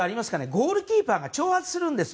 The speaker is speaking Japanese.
ゴールキーパーが挑発するんです。